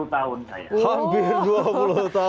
saya sendiri sudah hampir dua puluh tahun saya